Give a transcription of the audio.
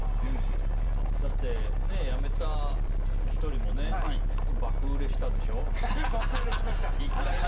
だって、辞めた１人も爆売れしたでしょ？